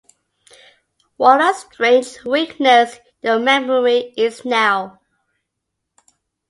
اب تیری یاد بھی کیسی عجب کمزوری ہے